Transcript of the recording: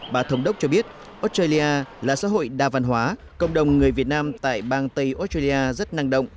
bà thống đốc cho biết australia là xã hội đa văn hóa cộng đồng người việt nam tại bang tây australia rất năng động